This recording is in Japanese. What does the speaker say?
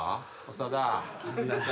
長田！